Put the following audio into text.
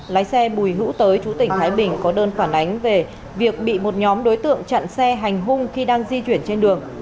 lái xe bùi hữu tới chú tỉnh thái bình có đơn phản ánh về việc bị một nhóm đối tượng chặn xe hành hung khi đang di chuyển trên đường